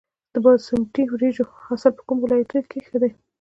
د باسمتي وریجو حاصل په کومو ولایتونو کې ښه دی؟